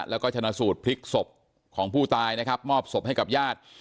แล้วก็ชนะสูตรพลิกศพของผู้ตายนะครับมอบศพให้กับญาติ